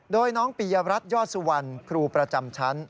โดยน้องปียรัชยศวรครูประจำชั้น